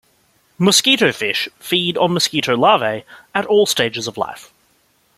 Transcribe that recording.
Mosquitofish feed on mosquito larvae at all stages of life.